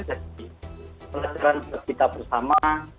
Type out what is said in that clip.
jadi kita bersama